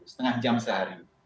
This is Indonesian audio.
setengah jam sehari